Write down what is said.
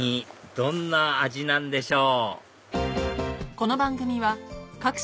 どんな味なんでしょう？